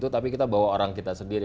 tapi kita bawa orang kita sendiri